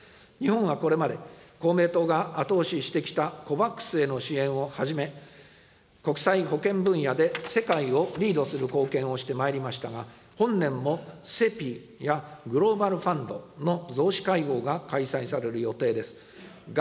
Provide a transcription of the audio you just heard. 日本はこれまで、公明党が後押ししてきたＣＯＶＡＸへの支援をはじめ、国際保健分野で世界をリードする貢献をしてまいりましたが、本年もＣＥＰＩやグローバル・ファンドの増資会合が開催される予定です。